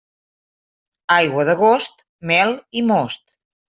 Aigua d'agost, mel i most.